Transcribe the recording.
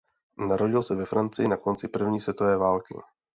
Narodil se ve Francii na konci první světové války.